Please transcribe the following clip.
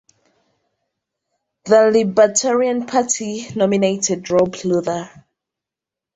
The Libertarian Party nominated Robb Luther.